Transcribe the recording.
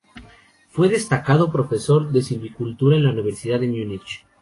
Fue destacado Profesor de Silvicultura en la Universidad de Múnich.